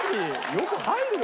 よく入るよ。